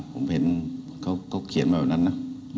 ผมเห็นเขาเขียนมาแบบนั้นนะ